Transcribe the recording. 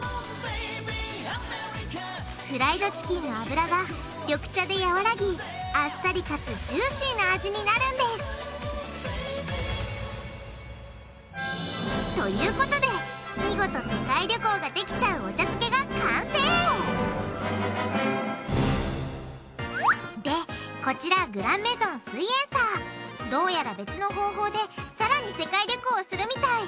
フライドチキンの脂が緑茶で和らぎあっさりかつジューシーな味になるんです！ということで見事世界旅行ができちゃうお茶漬けが完成！でこちらグランメゾンすイエんサーどうやら別の方法でさらに世界旅行をするみたい。